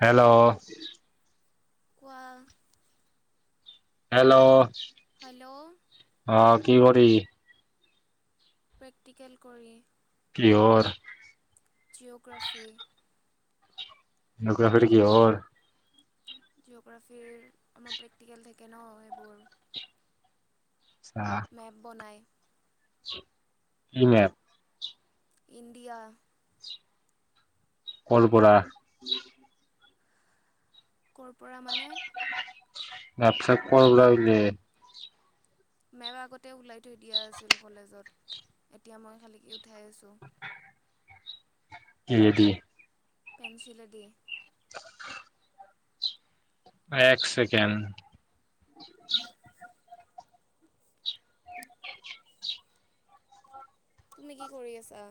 Hello! কোৱা। Hello! Hello! অ' কি কৰি প্ৰেক্টিকেল কৰি। কি'হৰ? জিঅ'গ্ৰাফী। জিঅ'গ্ৰাফীটো কি'হৰ? জিঅ'গ্ৰাফীৰ আমাৰ প্ৰেক্টিকেল থাকে ন, সেইবোৰ। আচ্ছা। মেপ বনায়। কি মেপ? ইণ্ডিয়া। কৰ পৰা? ক'ৰ পৰা মানে? [unintelligible] মেপ আগতে ওলাই থৈ দিয়া আছিল কলেজত, এতিয়া মই খালীকে উঠাই আছোঁ। কিহে দি? পেঞ্চিলে দি। এক চেকেণ্ড! তুমি কি কৰি আছা?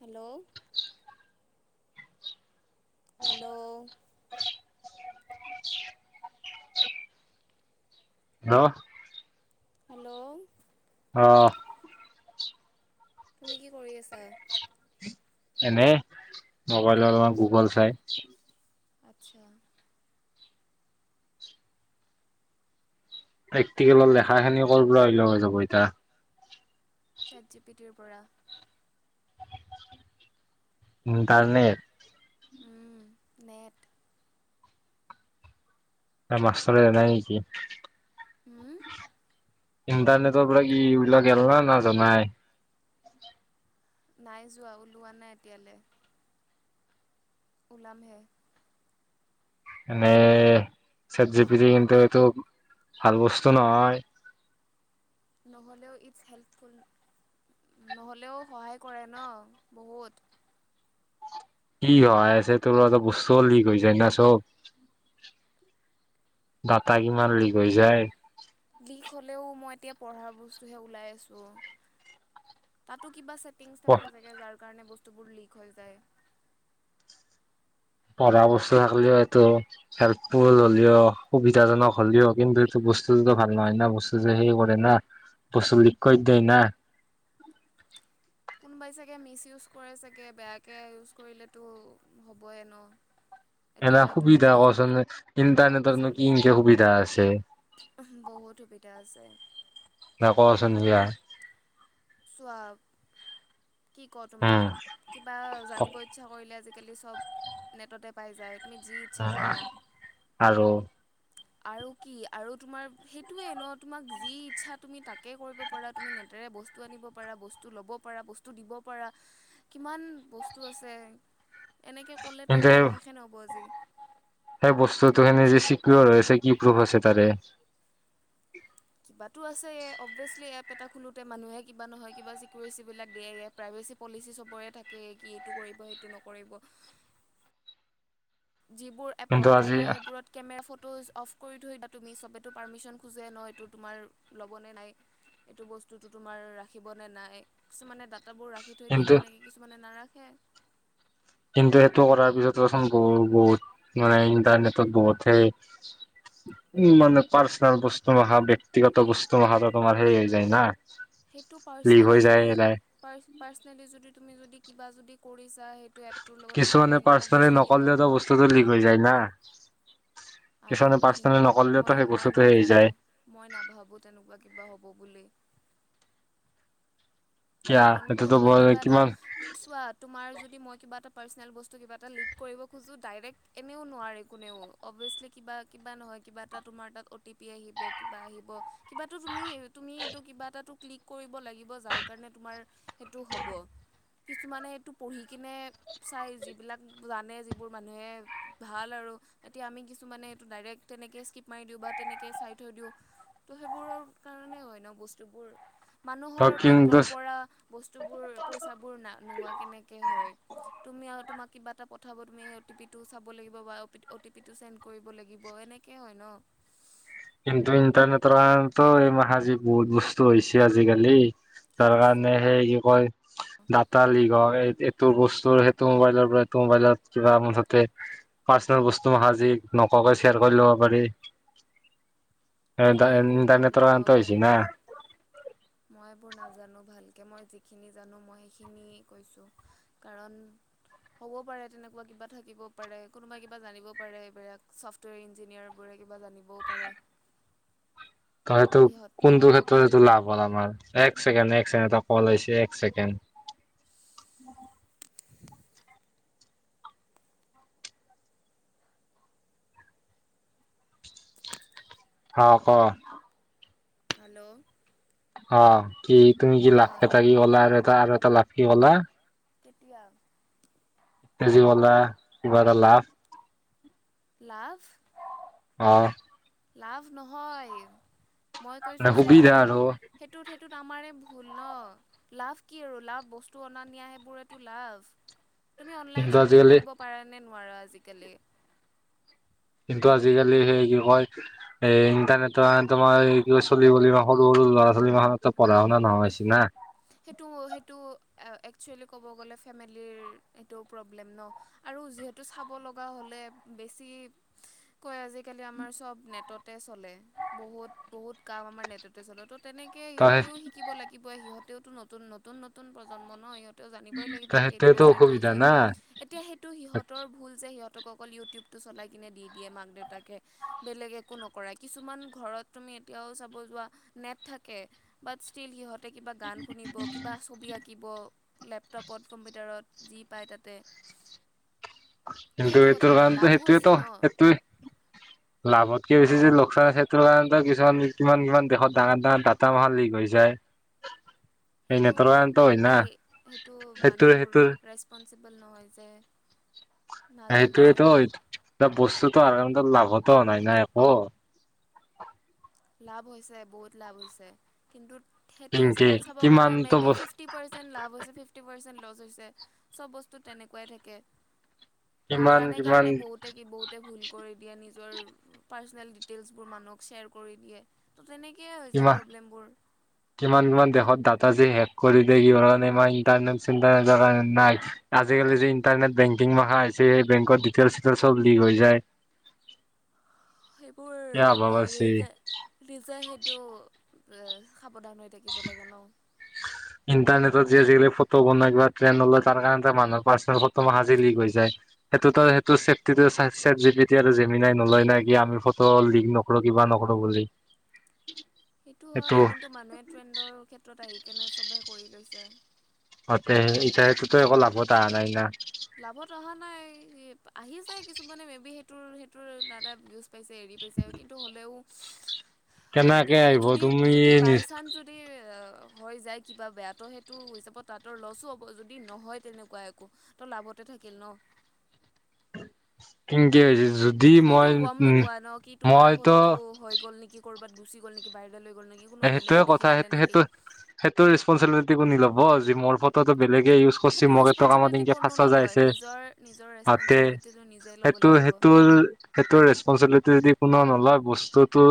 হেল্ল'! হেল্ল'! [unintelligible] হেল্ল' অ',। তুমি কি কৰি আছা? এনে মোবাইলৰ অলপমান গুগল চাই। আচ্ছা'। প্ৰেক্টিকেলৰ লেখাখিনি ক'পৰা হৈ যাব এতিয়া। চাট জি পি টিৰ পৰা। ইনটানেত উম', নেট। মাষ্টৰে এনাই নেকি? হম', ! ইণ্টাৰনেটৰ পৰা কি এইবিলাক গ'ল নে নাই? নাই যোৱা ওলোৱা নাই এতিয়ালৈ। ওলাম হে। এনে চাট জি পি কিন্তু এইটো ভাল বস্তু নহয়। নহ'লেও ইটছ হেল্পফুল নহ'লেও সহায় কৰে ন' বহুত। কি হয় আছে তোৰত বস্তুও লিক হৈ যায় না চব। ডাটা কিমান লিক হৈ যায়। লিক হলেওঁ মই এতিয়া পঢ়াৰ বস্তুহে ওলাই আছো, তাতো কিবা চটিংছ থাকে চাগে যাৰ কাৰণে বস্তুবোৰ লীক হৈ যায়। পঢ়া বস্তু থাকিল হয়টো হেল্পফুল হ'লেও, সুবিধাজনক হ'লেও, কিন্তু এইটো বস্তুটোতো ভাল নহয় না বস্তু যে সেই কৰে না। বস্তু লিক কৈ দে না। কোনবাই চাগে মিচ ইউজ কৰে চাগে, বেয়াকে ইউজ কৰিলেটো হ'বই ন'। এতিয়া এনে এইটো তুমি সুবিধা নিজে ভাবি কচোন চাব ইণ্টাৰনেটৰনো লাগে কিনকে সুবিধা আছে? বহুত সুবিধা আছে। না কোৱাছোন দিয়া? চোৱা কি ক' তোমাক, উম কিবা জানিব ইচ্ছা কৰিলে আজিকালি চব নেটতে পাই যায় তুমি যি ইচ্ছা কৰা। আৰু আৰু কি আৰু তোমাৰ সেইটোৱে ন' তোমাক যি ইচ্ছা তুমি তাকে কৰিব পাৰা, তুমি নেতেৰে বস্তু বস্ত আনিব পাৰা বস্ত ল'ব পাৰা, বচ বস্তু দিব পাৰা, কিমান বস্তু আছে এনেকে ক'লেতো কিন্তু সেই শেষে নহ'ব আজি। সেই বস্তুতটো খিনি যে চিকোৰ হৈ আছে কি প্ৰুফ আছে তাৰে? কিবাটো আছে, এই অবভিয়াচলি এপ এটা খোলোতে মানুহে কিবা নহয় কিবা চিকিউৰিচিবিলাক দিয়ে এপ। প্ৰাইভেচি পলিচি চবৰে থাকে, কি এইটো কৰিব, সেইটো নকৰিব। যিবোৰ এপ কিন্তু দৰকাৰ আজি নাই, সেইবোৰত কেমেৰা, ফটোজ অফ কৰি থৈ দিবা, তুমি চবেটো পাৰ্মিশ্যন খোজে ন' এইটো তোমাৰ ল'বনে নাই? এইটো বস্তুটো তোমাৰ ৰাখিবনেে নাই, কিছুমানে তাঁত কামবোৰ ৰাখি থৈ দিয়ে, কিন্তু তেনেকে কিছুমানে নাৰাখে। ইন্টাৰনেট কথা, পিছত চোন বহুত বহুত নাই ইণ্টাৰনেটত বহুত হে মানে পাৰ্চনেল বস্তু অহা, ব্যক্তিগত বস্তু অহাটো, তোমাৰ হে যায় না। সেইটো লিক পাৰ্চনেলি, হৈ যায় যদি এলাই পাৰ্চনেলি, যদি তুমি যদি কিবা যদি কৰিছা টো এপটোৰ লগত খেলি মেলি অভিয়াচলি কিবা হ'ব ন? লৈ যায় না, আই কিছুমানে ড'ণ্ট পাৰ্চনেলি থিংক নকলেওঁটো মই সেই মই বস্তুটো ফেলি নাজানো যায়। মই নাভাবোঁ, তেনেকুৱা কিবা হ'ব বুলি। কিয়া কাৰণ সেইটোতো কোনোবা বৰ কিবা এটা কিমান চোৱাত তোমাৰ যদি মই কিবা এটা পাৰ্চনেল বস্তু, কিবা এটা লিক কৰিব খোজোঁ, ডাইৰেক্ট এনেও নোৱাৰে কোনেও অভিয়াচ কিবা কিবা নহয়, কিবা এটা তোমাৰ তাত অ' টি পি আহিব কিবা আহিব কিবাটো তুমি, তুমি এইটো কিবা এটা ক্লিক কৰিব লাগিব যাৰ কাৰণে তোমাৰ সেইটো হ'ব। কিছুমানে এইটো পঢ়ি কিনে চাই, যিবিলাক জানে যিবোৰ মানুহে ভাল আৰু এতিয়া আমি কিছুমানে এইটো ডাইৰেক্ট তেনেকে স্কিপ মাৰি দিওঁ, বা তেনেকে চাই থৈ দিওঁ। তো, সেইবোৰৰ কাৰণে হয় ন' বস্তুবোৰ, মানুহৰ ধৰ কিন্তু বেংকৰ পৰা বস্তুবোৰ, পইচাবোৰ, না-নোহোৱা কেনেকৈ হয়? তুমি আৰু তোমাক কিবা এটা পঠাব, তুমি এই অটিপিটো চাব লাগিব বা অপিট-অটিপিটো ছেন্দ কৰিব লাগিব, এনেকৈ হয় ন? কিন্তু ইণ্টাৰনেটৰ কাৰণেটো এইমাখা আজি বহুত বস্তু হৈছে আজিকালি। কি তাৰ বস্তু কাৰণে সেই যি কয়। দাটা লিংক হয় এইটো বস্তুৰ, সেইটো মোবাইলৰ পৰা এইটো মোবাইলত যোৱা মুঠতে পাৰ্চনেল বস্তু মখাযি নকোৱা শ্বেয়াৰ কৰি ল'ব পাৰি। এটা মই এইবোৰ গম ইণ্টাৰনেটৰ নাপাওঁ কাৰণেত হৈছি না? ভালকৈ মই এইবোৰ নাজানো ভালকে, মই যিখিনি জানো মই সিখিনি কৈছোঁ। কাৰণ হ'ব পাৰে, তেনেকুৱা কিবা থাকিব পাৰে, কোনোবাই কিবা জানিব পাৰে, এইবিলাক চফট [unintelligible] ইঞ্জিনিয়াৰবোৰে কিবা জানিবও পাৰে। [inaudible] হয়টো সিহঁত কোনটো ক্ষেত্ৰত ইটো লাভ হ'ল আমাৰ, এক ছেকেণ্ড, এক ছেকেণ্ড এটা ক'ল আহিছে এক ছেকেণ্ড। [inaudible] হা, ক'। হেল্ল' অ' কি তুমি কি লাখ, কোৱা এটাই কি ক'লাৰ আৰু এটাৰ আৰু এটা লাখ কি ক'লা? কেতিয়া? তেতিয়া যি ক'লা, কিবা এটা লাভ লাফ? অ'। লাভ নহয়, মই মানে কৈছোঁ যে সুবিধা আৰু এইটোত সেইটোত, সেইটোত, আমাৰেই ভুল ন? লাভ কি আৰু লাভ বস্তু অনা নিয়া সেইবোৰেইটো লাভ। তুমি অনলাইন কিন্তু শ্বপিং আজিকালি কৰিব পাৰ নে নোৱাৰা আজিকালি? কিন্তু, আজিকালি সেই বিষয় এ, ইণ্টাৰনেটৰ [unintelligible] সৰু সৰু ল'ৰা-ছোৱালী তপ, পঢ়া-শুনা নহয়ছিল না? সেইটো সেইটো, আ-একচুৱেলি ক'ব গ'লে ফেমিলিৰ এইটো প্ৰব্লেম ন? আৰু যিহেতু চাব লগা হ'লে বেছি কয়, আজিকালি আমাৰ চব নেটতে চলে। বহুত বহুত কাম আমাৰ নেটতে চলেতো তেনেকে ত ইহঁতেও শিকিব লাগিব, সিহঁতেওতো নতুন নতুন নতুন প্ৰজন্ম ন ইহঁত? তো, জানিবই ত লাগিব কি এইটো সেইটোৱেতো বস্তু এতিয়া অসুবিধা যায়। না এতিয়া সেইটো সিহঁতৰ ভুল যে সিহতে ত অকল ইউটিউবটো চলাই কিনে দি দিয়ে মাক দেউতাকে। বেলেগ একো নকৰে কিছুমান ঘৰত তুমি এতিয়াও চাব যোৱা নেট থাকে। বাট ষ্টিল সিহঁতে কিবা গান শুনিব কিবা ছবি আঁকিব। লেপটপত কম্পিউটাৰত যি পায় তাতে। তো কিন্তু এইটো কথা এইটোৰ ন কাৰণেটো লাভো আছে সেইটোৱেটো ন সেইটোৱে। লাভতকে বেছি যে লোকচানৰ কাৰণে কিছুমান কিমান কিমান দেশত ডাঙৰ ডাঙৰ ডাটা মাহা লিক হৈ যায়। উ। সেইটো এই সেইটো সেইটোৰ মানুহবোৰ সেইটোৰ ৰেচপনচিবল নহয় যে। নাজানে যে সেইটোয়েতো বস্তুতো আনাৰ কাৰণেটো লাভতো হোৱা নাই না একো। লাভ হৈছে বহুত লাভ হৈছে কিন্তু সেইটো কিনকে হিচাপত চাব গাৰে মে কিমানতো বি বস ফিফট। ফিফটি পাৰ্চেণ্ট লাভ হৈছে ফিফটি পাৰ্চেণ্ট লচ হৈছে চব বস্তু তেনেকুৱাই থাকে। কিমান নাজানে কিমান কাৰণে বহুতে কি বহুতে ভুল। কৰি দিয়ে নিজৰ পাৰ্চনেল ডিটেইলছবোৰ মানুহক শ্বেয়াৰ কৰি দিয়ে। তো তেনেকৈয়ে হৈ যায় কিমান প্ৰব্লেমবোৰ। [inaudible] কিমান কিমান দেশত ডাটা যে হেক কৰি দেই কাৰণ ইমান ইণ্টাৰনেট চিটাৰ কাৰণে নাই। আজিকালি যি ইণ্টাৰনেট বেংকিং মাখা আহিছে সেই বেংকৰ ডিটেইল চিইটেল চব লিক হৈ যায়। [inaudible] সেইবোৰ কিয়া অভাৱ আ আছে। নিজে নিজে সেইটো সাৱধান। থাকিব লাগে ন। ইণ্টাৰনেটত যে আজিকালি ফটো বনাই কিবা ট্ৰেনড তাৰ কাৰণ মানুহৰ পাৰ্চনেল ফটো মাখা যে লিক হৈ যায়। সেইটোতো সেইটো চেফটিটো চেট জিবিটি জেমিনাই নাই নলয় নাই কি আমি ফটো লিক লম। পৰশি বা নগলো বুজিলোঁ। সেইটো হয় কিন্তু মানুহে ট্ৰেণ্ডৰ ক্ষেত্ৰত আহি কেনে চবে কৰি লৈছে। সতে সটোতো একো লাভত আহা নাই না। লাভত অহা নাই আহি চে কিছুমানে মে বি সেইটো সেইটো না না। পাইছে হেৰী পাইছে কিন্ত হ'লেও যদি কেনেকে আহিব যদি তুমি যদি নিজ বাইচানচ। যদি হৈ যায় কিবা বেয়াতো সেইটো হিচাপত তাহাতৰ লছো হব যদি নহয় তেনেকুৱা একো। তো লাভতে থাকিল ন। পিংকি হৈ যায় য'ত। তুমিতো গম নোপোৱা ন কি তোমাৰ ফটোটো হৈ গ'ল নেকি ক'ৰবাত গুচি গ'ল নেকি? বাহিৰলৈ লৈ গ'ল নেকি কোনবাই বেলেগে দেখি পালে নেকি? সেইটোৰ ৰেচপনচিবিলিটি কোনি ল'ব যে মোৰ ফটোটো বেলেগে ইউজ। কৰছি সেইটো মোৰ টকা মাৰি ৰেচপনচিবিলিটি এনকে কোনো ফাচা যাই নলয় আছে নিজৰ নিজৰ হাতে ৰেচপনচিবিলিটিটো নিজে ল'ব সেইটো লাগিব। সেইটোৰ। সেইটোৰ ৰেচপনচিবিলিটি যদি কোনো নলয় বস্তুটো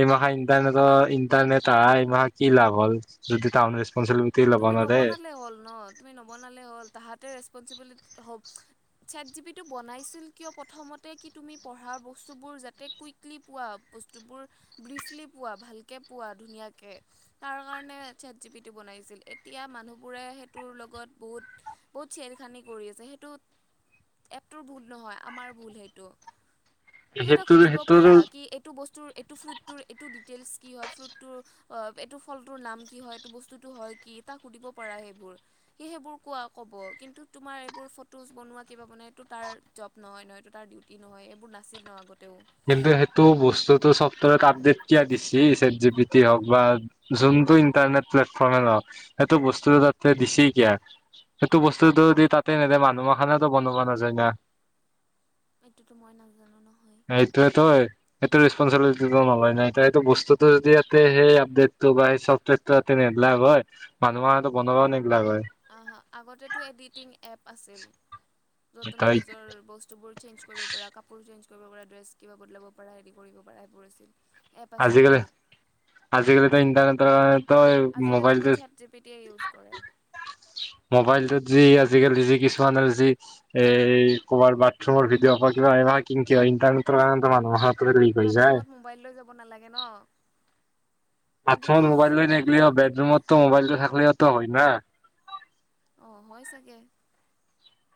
এইমাহা ইণ্টাৰনেটৰ। ইন্টাৰনেট আহা এইমাহ কি লাভ হ'ল যদি টাউনৰ ৰেচপনচিবিলিটি। ল'ব তুমি নোৱাৰে নবনালে হ'ল ন তুমি নবনালে হ'ল তাহাঁতে ৰেচপনচিবিলিটি হ'ব। চেট জীৱিটো বনাইছিল কিয় প্ৰথমতে কি তুমি পঢ়া বস্তুবোৰ যাতে কুইক। লি পোৱা বস্তুবোৰ ব্ৰিফলি পোৱা ভালকে পোৱা ধুনীয়াকে। তাৰ কাৰণে চেট জিবিটি বনাইছিল। এতিয়া মানুহবোৰে সেইটোৰ লগত বহুত বহুত চেৰখানি কৰি আছে সেইটো। এপটোৰ ভুল নহয় আমাৰ ভুল সেইটো। তুমি টাক সেইটো সুধিব সেইটোৰ পাৰা কি এইটো বস্তুৰ এইটো ফ্ৰুটটোৰ এইটো ডিটেইলছ কি হয় ফ্ৰুটটোৰ। অহ এইটো ফলটোৰ নাম কি হয় এইটো বস্তুটো হয় কি তাক সুধিব পাৰা সেইবোৰ। সি সেইবোৰ কোৱা ক'ব কিন্তু তোমাৰ এইবোৰ ফটোজ বনোৱা কিবা বনোৱা এইটো তাৰ। জব নহয় নহয় এতো তাৰ ডিউটি নহয় এইবোৰ নাছিল ন আগতেও কিন্তু সেইটো বস্তুটো চফ্টৱেৰত আপডেট কিয়া বিছৰি আছে ছেটজিপিটি হওক বা যোনটো ইণ্টাৰনেট প্লেটফৰ্মে নহক সেইটো বস্তুটো তাতে দিছি কিয়া সেইটো বস্তুটো দি তাতে দে মানুহৰ খানেত বনাব নাযায় না এইটোতো মই নাজানো নহয় সেইটোয়ে তই এইটো ৰেচপনচিবিলিটি নলয় না এইটো বস্তুটো ইয়াতে সেই আপডেটটো বা চফৱেৰ ত তেনেগিলাক হয় মানুহৰটো বনাবও নেদিলাগ হয় আহা আগতেটো এডিটিং এপ আছিল য'ত তুমি তই নিজৰ বস্তুবোৰ চেঞ্ কৰিব পাৰা কাপোৰ চেঞ্জ কৰিব পাৰা ড্ৰেছ কিবা বদলাব পাৰা হেৰি কৰিব পাৰা সেইবোৰ আছিল এপ আছে আজিকালি বহুত আজিকালি তো ইণ্টাৰনেটৰ আজিকালি মোবাইলটো অকল চেটজিপিটিয়ে ইউজ কৰে মোবাইলটোত যি আজিকালি যি কিছুমানৰ যি এই ক'ৰবাৰ বাথৰুমৰ ভিডিঅ' কিবাব কি কিবা ইণ্টাৰনেটৰ কাৰণে মানুহত বাথৰুমত মোবাইল লৈ যাব নালাগে ন সেইটোতো বাথৰুমত মোবাইল লৈ নেললেও বেডৰুমতো মোবাইলটো থাকলেও ত হয় না অ হয় চাগে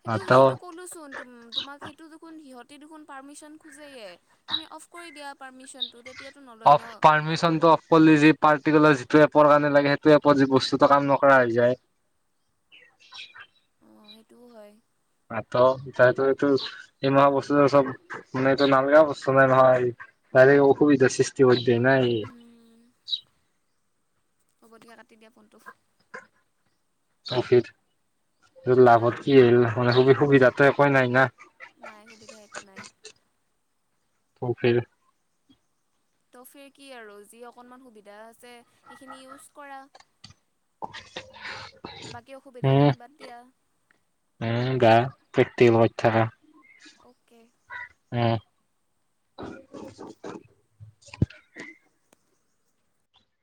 সেইটো ত সেইটো কত কলোচোন তোম তোমাক সেইটো দেখোন সিহঁতে দেখোন পাৰ্মিচন খোজেয়ে তুমি অফ কৰি দিয়া পাৰ্মিশনটো তেত অফ পাৰ্মিশচন টো অফ কলিজেত পাৰ্টিকুলাৰ যিটো এপৰ কাৰণে লাগে সেইটো এপত যি বস্তুটো কাম নকৰা হৈ যায় অ সেইটোও হয় আত যেতো এইটো এই মহা বস্তু চব মানতো নালগা অৱস্থ নহয় ডাইৰেক্ট অসুবিধাৰ সৃষ্টি কৰি দিয়া না ই উম হ'ব দিয়া কাটি দিয়া ফোনটো অফিৰ হা লাভত কি আহিল মানে সুবি সুবিধাতো একেই নাই না নাই সুবিধা একো নাই ত ফিৰ ত' ফিৰ কি আৰু যি অকনমান সুবিধা আছে সেইখিনি ইউজ কৰা বাকী অসুবিধা উম খিনি বাদ দিয়া উম গা পিতটিম হৈত থাকা অ'কে উম